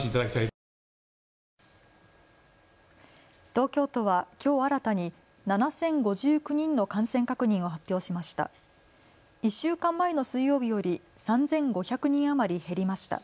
東京都はきょう、新たに７０５９人の感染確認を発表しました。